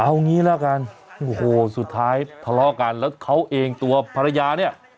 เอางี้แล้วกันโอ้โหสุดท้ายทะเลาะกันแล้วเขาเองตัวภรรยาเนี่ย